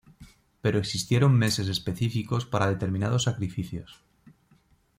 Pero existieron meses específicos para determinados sacrificios.